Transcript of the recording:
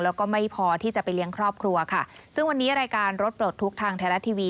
แล้วก็ไม่พอที่จะไปเลี้ยงครอบครัวค่ะซึ่งวันนี้รายการรถปลดทุกข์ทางไทยรัฐทีวี